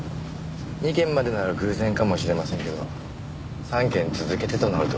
２件までなら偶然かもしれませんけど３件続けてとなると。